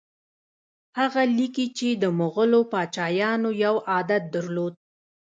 هغه لیکي چې د مغولو پاچایانو یو عادت درلود.